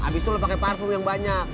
abis itu lo pakai parfum yang banyak